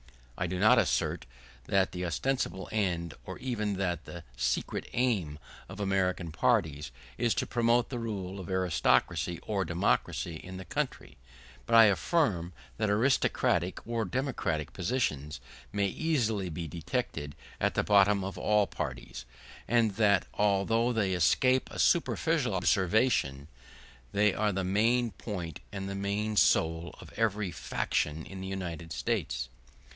I do not assert that the ostensible end, or even that the secret aim, of American parties is to promote the rule of aristocracy or democracy in the country; but I affirm that aristocratic or democratic passions may easily be detected at the bottom of all parties, and that, although they escape a superficial observation, they are the main point and the very soul of every faction in the United States.